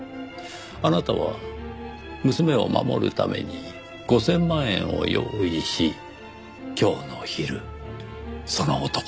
あなたは娘を守るために５０００万円を用意し今日の昼その男と２人で会った。